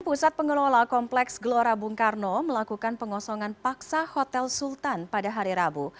pusat pengelola kompleks gelora bung karno melakukan pengosongan paksa hotel sultan pada hari rabu